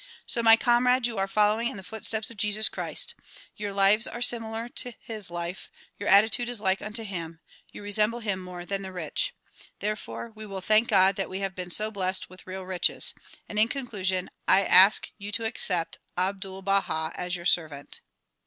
So my comrades you are following in the footsteps of Jesus Christ. Your lives are similar to his life, your attitude is like unio him, you resemble him more than the rich. Therefore we will thank God that we have been so blest with real riches. And in conclusion I ask you to accept Abdul Baha as your servant.